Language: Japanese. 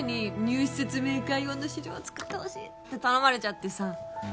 入試説明会用の資料作ってほしいって頼まれちゃってさ